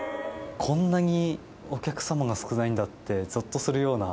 こんなにお客様が少ないんだって、ぞっとするような。